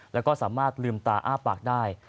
แล้วก็สามารถลืมตาอ้าปากได้